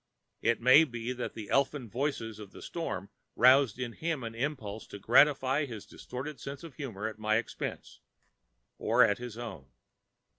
It may be that the elfin voices of the storm roused in him an impulse to gratify his distorted sense of humor at my expense—or at his own.